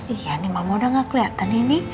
iya nih mama udah gak kelihatan ini